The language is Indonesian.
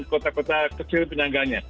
kota kota kecil penyangganya